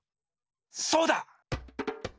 そうだ！